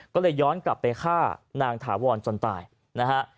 ก็เลยย้อนกลับไปฆ่านางถาวรจนตายนะฮะ